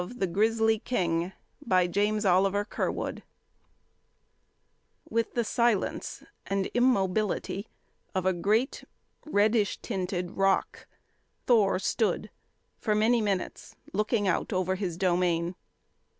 '" THE GRIZZLY KING CHAPTER ONE With the silence and immobility of a great reddish tinted, rock, Thor stood for many minutes looking out over his domain.